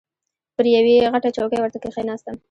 پر یوې غټه چوکۍ ورته کښېناستم.